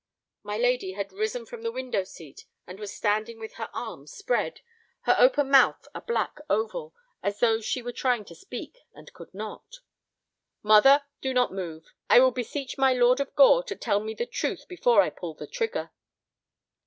My lady had risen from the window seat and was standing with her arms spread, her open mouth a black oval, as though she were trying to speak and could not. "Mother, do not move. I will beseech my Lord of Gore to tell me the truth before I pull the trigger."